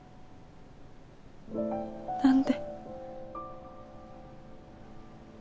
何で？